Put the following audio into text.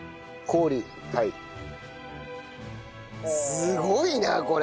すごいなこれ。